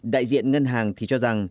đại diện ngân hàng thì cho rằng